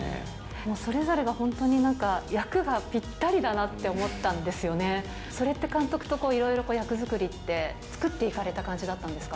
もう、それぞれが本当に、なんか役がぴったりだなって思ったんですよね、それって監督といろいろ役作りって、作っていかれた感じだったんですか？